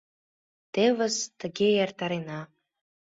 Тевыс тыге эртарена.